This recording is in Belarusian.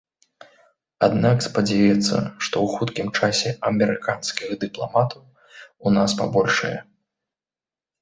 Аднак спадзяецца, што ў хуткім часе амерыканскіх дыпламатаў у нас пабольшае.